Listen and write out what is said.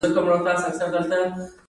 ایا یوازې غوښه خوړل کفایت کوي